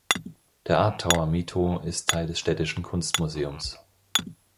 Der Art Tower Mito ist Teil des städtischen Kunstmuseums.